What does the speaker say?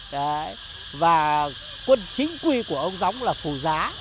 đấy và quân chính quy của ông gióng là phù giá